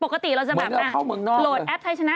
ปกติเราจะแบบโหลดแอปไทยชนะ